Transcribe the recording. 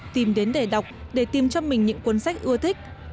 tìm đến để đọc để tìm cho mình những cuốn sách ưa thích